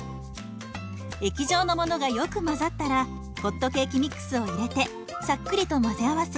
液状のものがよく混ざったらホットケーキミックスを入れてさっくりと混ぜ合わせ